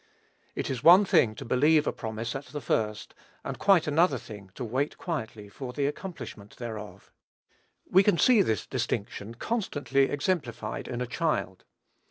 It is one thing to believe a promise at the first, and quite another thing to wait quietly for the accomplishment thereof. We can see this distinction constantly exemplified in a child.